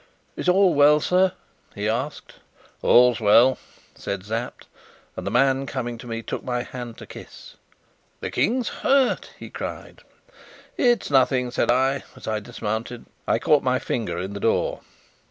"Is all well, sir?" he asked. "All's well," said Sapt, and the man, coming to me, took my hand to kiss. "The King's hurt!" he cried. "It's nothing," said I, as I dismounted; "I caught my finger in the door."